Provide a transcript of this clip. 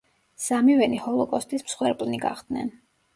სამივენი ჰოლოკოსტის მსხვერპლი გახდნენ.